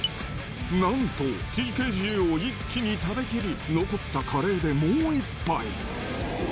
なんと、ＴＫＧを一気に食べきり、残ったカレーでもう１杯。